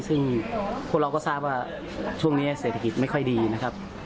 ซึ่งพวกเราก็ทราบว่าช่วงนี้เศรษฐกิจไม่ค่อยดีนะครับ